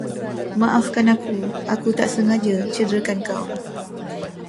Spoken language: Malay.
Maafkan aku, aku tak sengaja cederakan kau.